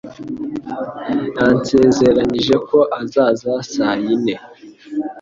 Yansezeranije ko azaza saa yine.